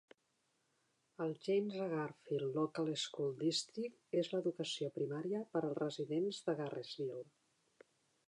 El James A. Garfield Local School District és l'educació primària per als residents de Garrettsville.